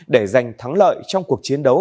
để giành thắng lợi trong cuộc chiến đấu